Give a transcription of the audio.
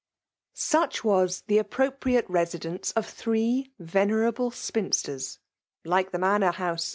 ^^Vfh W^ ^^ appropriate residence of three vgne^^able spinster^ (tike the Manor Houser.